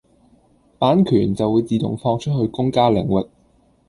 版權就會自動放出去公家領域。